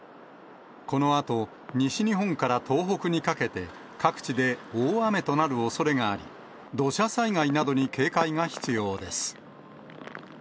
このあと、西日本から東北にかけて、各地で大雨となるおそれがあり、土砂災害などに警戒が必要です。